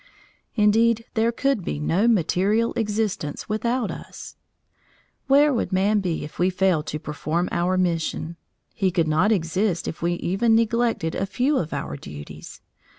Indeed, there could be no material existence without us. Where would man be if we failed to perform our mission? He could not exist if we even neglected a few of our duties.